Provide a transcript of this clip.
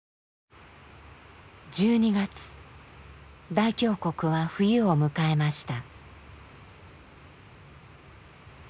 大峡谷は冬を迎えました。